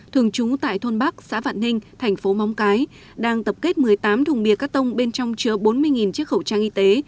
thường trú tại thôn bắc xã vạn ninh thành phố móng cái đang tập kết một mươi tám thùng bia cắt tông bên trong chứa bốn mươi chiếc khẩu trang y tế